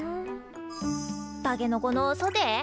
たけのこのソテー？